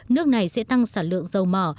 nước này sẽ tăng sản lượng dầu mỏ